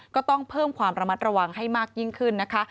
ก็ต้องเพิ่มความระมัดระวังให้มากยิ่งขึ้นนะคะ